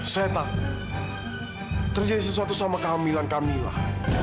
saya tak terjadi sesuatu sama kehamilan kamilah